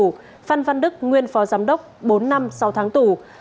phan văn đức nguyên phó giám đốc bốn năm sáu tháng tù